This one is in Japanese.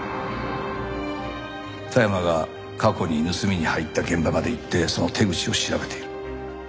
田山が過去に盗みに入った現場まで行ってその手口を調べている。